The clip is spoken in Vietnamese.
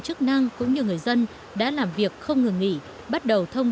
chức năng cũng như người dân đã làm việc không ngừng nghỉ bắt đầu thông